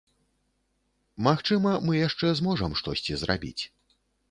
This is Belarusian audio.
Магчыма, мы яшчэ зможам штосьці зрабіць.